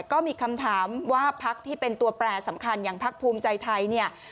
ก็มีคำถามว่าพักที่เป็นตัวแปรสำคัญอย่างพักภูมิใจไทยเนี่ย